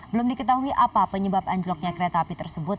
belum diketahui apa penyebab anjloknya kereta api tersebut